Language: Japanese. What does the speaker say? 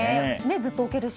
ずっと置けるし。